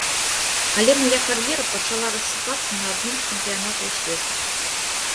Але мая кар'ера пачала рассыпацца на адным з чэмпіянатаў свету.